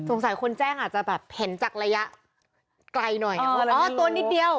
คนแจ้งอาจจะแบบเห็นจากระยะไกลหน่อยว่าอ๋อตัวนิดเดียว